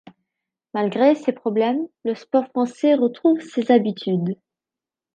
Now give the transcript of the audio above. Malgré ces problèmes, le sport français retrouve ses habitudes.